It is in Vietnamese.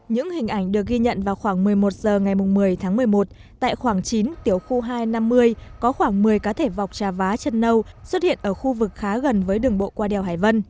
những hình ảnh được ghi nhận vào khoảng một mươi một h ngày một mươi tháng một mươi một tại khoảng chín tiểu khu hai trăm năm mươi có khoảng một mươi cá thể vọc trà vá chân nâu xuất hiện ở khu vực khá gần với đường bộ qua đèo hải vân